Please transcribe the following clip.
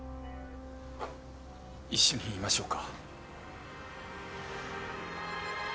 一緒にいましょうか？